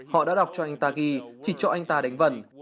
họ đã đọc cho anh ta ghi chỉ cho anh ta đánh vần